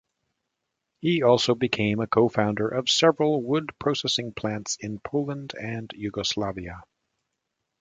He also became a co-founder of several wood processing plants in Poland and Yugoslavia.